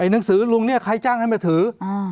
หนังสือลุงเนี่ยใครจ้างให้มาถือ